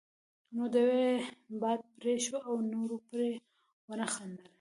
نو د يوه یې باد پرې شو او نورو پرې ونه خندل.